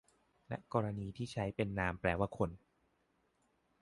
และในกรณีนี้ใช้เป็นนามแปลว่าคน